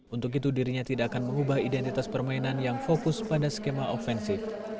untuk itu dirinya tidak akan mengubah identitas permainan yang fokus pada skema ofensif